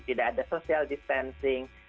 tidak ada social distancing